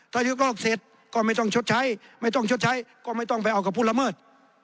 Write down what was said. ถ้ายกเลิกเสร็จก็ไม่ต้องชดใช้ไม่ต้องชดใช้ก็ไม่ต้องไปเอากับผู้ละเมิด